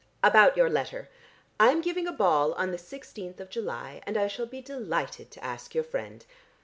About your letter. I am giving a ball on the sixteenth of July, and I shall be delighted to ask your friend.